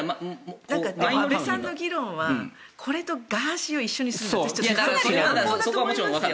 安部さんの議論はこれとガーシーを一緒にするのはかなり乱暴だと思いますよ。